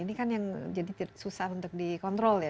ini kan yang jadi susah untuk dikontrol ya